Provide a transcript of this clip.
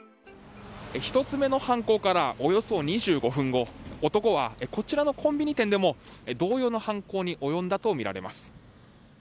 １つ目の犯行からおよそ２５分後男は、こちらのコンビニ店でも同様の犯行に及んだとみられます。